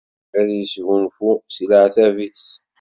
Ad yesgunfu si leɛtab-is.